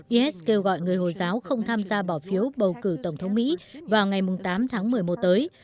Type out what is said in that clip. is kêu gọi người hồi giáo không tham gia bỏ phiếu bầu cử tổng thống mỹ vào ngày tám tháng một mươi một tới